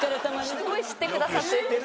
すごい知ってくださって。